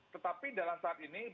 tetapi dalam saat ini